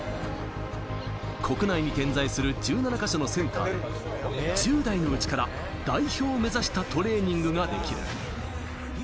国内に点在する１７か所のセンターで、１０代のうちから代表を目指したトレーニングができる。